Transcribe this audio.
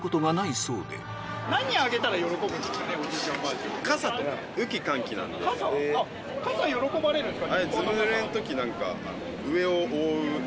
ちなみに傘喜ばれるんですか？